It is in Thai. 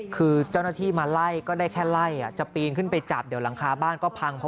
คือเจ้าหน้าที่มาไล่ก็ได้แค่ไล่จะปีนขึ้นไปจับเดี๋ยวหลังคาบ้านก็พัง